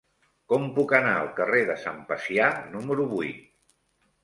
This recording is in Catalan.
Com puc anar al carrer de Sant Pacià número vuit?